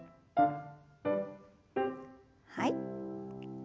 はい。